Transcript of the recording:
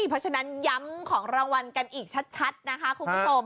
เพราะฉะนั้นย้ำของรางวัลกันอีกชัดนะคะคุณผู้ชม